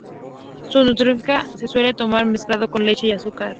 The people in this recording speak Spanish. En Sudáfrica se suele tomar mezclado con leche y azúcar.